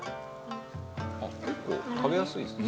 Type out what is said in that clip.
結構食べやすいですか？